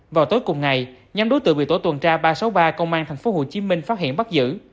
vào tối cùng ngày nhóm đối tượng bị tổ tuần tra ba trăm sáu mươi ba công an tp hcm phát hiện bắt giữ